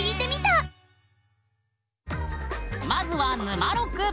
まずは「ぬまろく」。